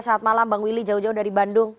selamat malam bang wili jauh jauh dari bandung